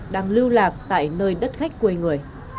đang lưu lạc tại nơi đất khách quê người